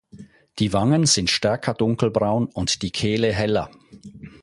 Die Wangen sind stärker dunkelbraun und die Kehle heller.